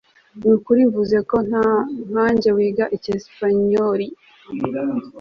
Nukuri mvuze ko nkanjye wiga icyesipanyoli